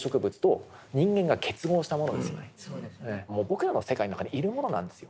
もう僕らの世界の中にいるものなんですよ。